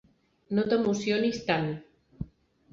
No t'emocionis tant.